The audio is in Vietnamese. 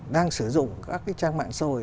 đang sử dụng các trang mạng xã hội